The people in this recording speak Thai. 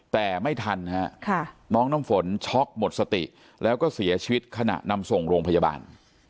แต่ไม่ทันฮะน้องน้ำฝนช็อกหมดสติแล้วก็เสียชีวิตขณะนำส่งโรงพยาบาล